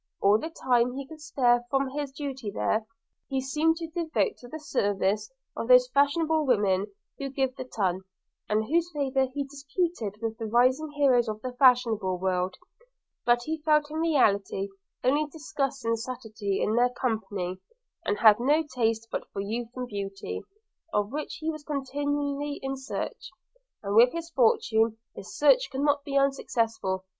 – All the time he could spare from his duty there, he seemed to devote to the service of those fashionable women who give the ton, and whose favour he disputed with the rising heroes of the fashionable world. But he felt in reality only disgust and satiety in their company; and had no taste but for youth and beauty, of which he was continually in search – and with his fortune his search could not be unsuccessful.